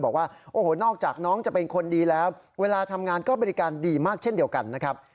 บอกว่าโอ้โหนอกจากน้องจะเป็นคนดีแล้วเวลาทำงานก็บริการดีมากเช่นเดียวกันนะครับ